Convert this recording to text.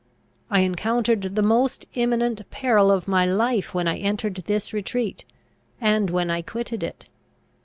I encountered the most imminent peril of my life when I entered this retreat, and when I quitted it.